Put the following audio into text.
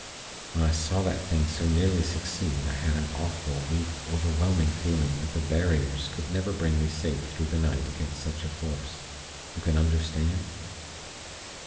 When I saw that thing so nearly succeed, I had an awful, weak, overwhelming feeling that the 'barriers' could never bring me safe through the night against such a Force. You can understand?